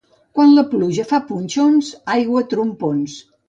Quan la pluja fa punxons, aigua a trompons.